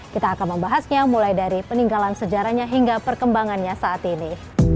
kita akan membahasnya mulai dari peninggalan sejarahnya hingga perkembangannya saat ini